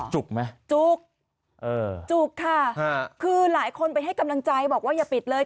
จุกไหมจุกเออจุกค่ะคือหลายคนไปให้กำลังใจบอกว่าอย่าปิดเลย